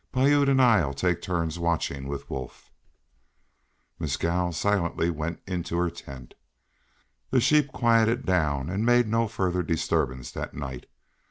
Piute and I'll take turns watching with Wolf." Mescal went silently into her tent. The sheep quieted down and made no further disturbance that night.